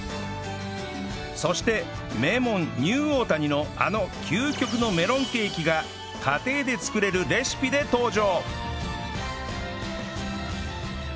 そして名門ニューオータニのあの究極のメロンケーキが家庭で作れるレシピで登場！